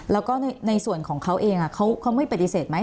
แล้วก็ในส่วนของเขาเองเขาไม่ปฏิเสธไหม